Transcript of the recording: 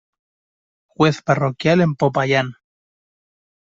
Juez parroquial en Popayán.